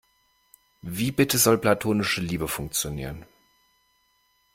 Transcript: Wie bitte soll platonische Liebe funktionieren?